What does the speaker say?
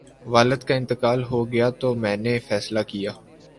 والد کا انتقال ہو گیا تو میں نے فیصلہ کیا